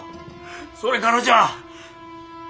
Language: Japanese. それからじゃ。